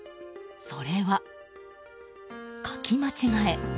それは、書き間違え。